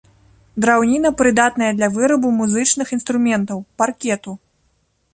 Драўніна прыдатная для вырабу музычных інструментаў, паркету.